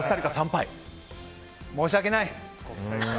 申し訳ない。